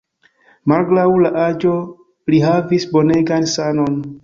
Malgraŭ la aĝo, li havis bonegan sanon.